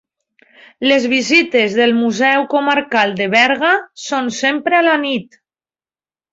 Les visites del Museu Comarcal de Berga són sempre a la nit.